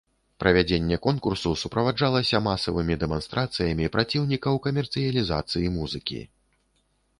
Правядзенне конкурсу суправаджалася масавымі дэманстрацыямі праціўнікаў камерцыялізацыі музыкі.